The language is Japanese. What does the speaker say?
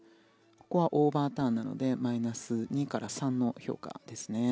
ここはオーバーターンなのでマイナス２から３の評価ですね。